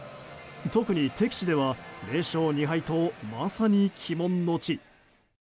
特に敵地では０勝２敗とまさに鬼門の地。